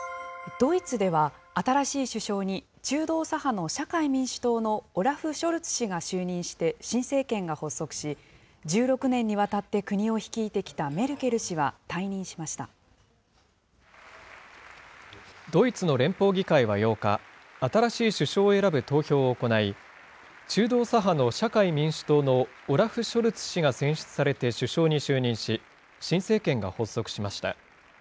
ドイツでは、新しい首相に中道左派の社会民主党のオラフ・ショルツ氏が就任して新政権が発足し、１６年にわたって国を率いてきたメルケル氏はドイツの連邦議会は８日、新しい首相を選ぶ投票を行い、中道左派の社会民主党のオラフ・ショルツ氏が選出されて首相に就任し、新政権が発足しました。